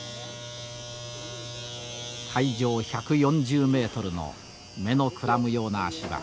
海上１４０メートルの目のくらむような足場。